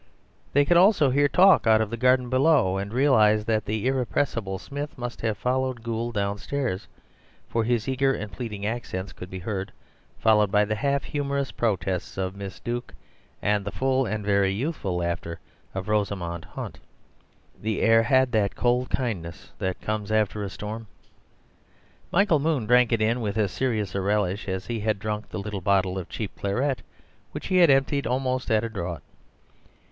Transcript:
They could also hear talk out of the garden below; and realized that the irrepressible Smith must have followed Gould downstairs, for his eager and pleading accents could be heard, followed by the half humourous protests of Miss Duke and the full and very youthful laughter of Rosamund Hunt. The air had that cold kindness that comes after a storm. Michael Moon drank it in with as serious a relish as he had drunk the little bottle of cheap claret, which he had emptied almost at a draught.